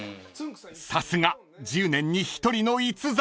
［さすが１０年に１人の逸材］